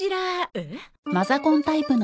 えっ？